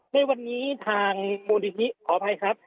ในวันนี้ทางมูลนิธิขออภัยครับ